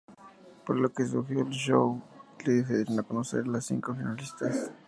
Por lo que siguió el show, y se dieron a conocer las cinco finalistas.